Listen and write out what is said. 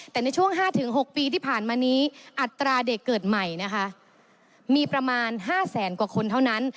แต่ในช่วง๕๖ปีที่ผ่านมานี้อัตราเด็กเกิดใหม่นะคะมีประมาณ๕แสนกว่าคนเท่านั้น